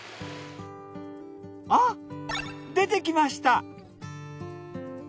あっ出てきました。